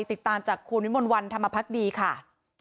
ติดตามจากคุณวิมลวันธรรมพักดีค่ะ